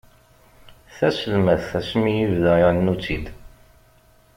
Taselmadt asmi i ibda iɛennu-tt-id.